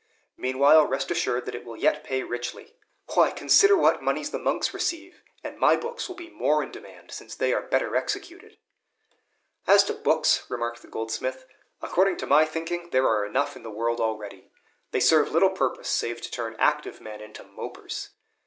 Meanwhile rest assured that it will yet pay richly. Why, consider what moneys the monks receive; and my books will be more in demand, since they are better executed." "As to books," remarked the goldsmith, "according to my thinking there are enough in the world already. They serve little purpose save to turn active men into mopers.